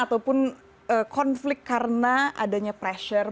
ataupun konflik karena adanya pressure